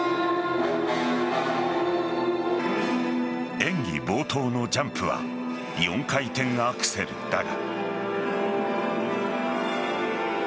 演技冒頭のジャンプは４回転アクセルだが。